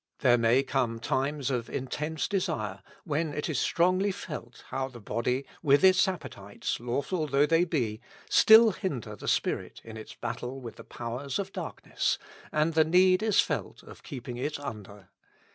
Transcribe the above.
There may come times of intense desire, when it is strongly felt how the body, with its appetites, lawful though they be, still hinder the spirit in its battle with the powers of darkness, and the need is felt of keeping it under.